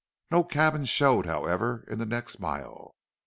No cabins showed, however, in the next mile.